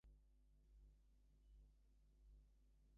He was allowed to do so but used the opportunity to escape.